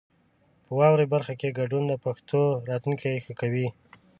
په واورئ برخه کې ګډون د پښتو راتلونکی ښه کوي.